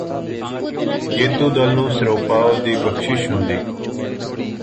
ਜੇਤੂ ਦਲ ਨੂੰ ਸਿਰੋਪਾਓ ਦੀ ਬਖ਼ਸ਼ਿਸ਼ ਹੁੰਦੀ